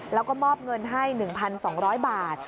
แล้วก็มอบเงินให้๑๒๐๐บาท